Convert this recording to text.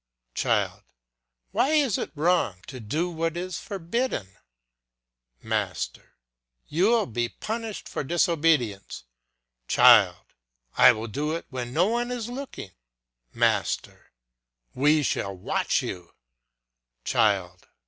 Child. Why is it wrong to do what is forbidden? Master. You will be punished for disobedience. Child. I will do it when no one is looking. Master. We shall watch you. Child.